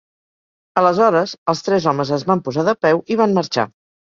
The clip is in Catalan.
Aleshores, els tres homes es van posar de peu i van marxar.